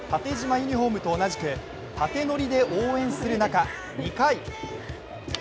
ユニフォームと同じく縦ノリで応援する中、２回。